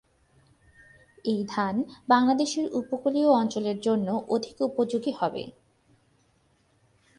এই ধান বাংলাদেশের উপকূলীয় অঞ্চলের জন্য অধিক উপযোগী হবে।